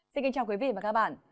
xin kính chào quý vị và các bạn